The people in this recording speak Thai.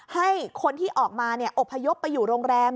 ให้คนที่ออกมาอบพยพไปอยู่โรงแรม